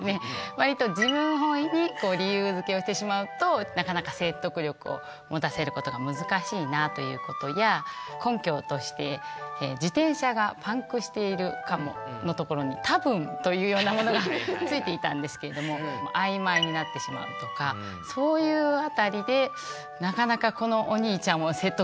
割と自分本位に理由づけをしてしまうとなかなか説得力を持たせることが難しいなということや根拠として「自転車がパンクしているかも」のところに「多分」というようなものがついていたんですけれども曖昧になってしまうとかそういう辺りでなかなかこのお兄ちゃんを説得するというのは難しかったようですね。